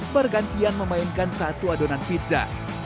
bergantian memainkan satu adonan pizza